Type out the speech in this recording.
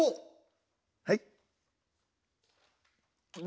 はい？